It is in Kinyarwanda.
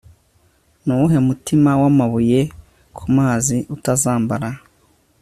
Nuwuhe mutima wamabuye kumazi utazambara